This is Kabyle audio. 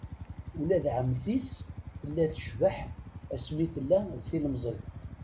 Ula d ɛemti-s tella tecbeḥ asmi tella d tilemẓit.